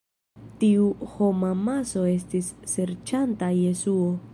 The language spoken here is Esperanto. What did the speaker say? Tiu homamaso estis serĉanta Jesuon.